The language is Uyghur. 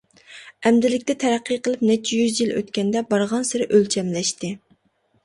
ئەمدىلىكتە تەرەققىي قىلىپ نەچچە يۈز يىل ئۆتكەندە، بارغانسېرى ئۆلچەملەشتى.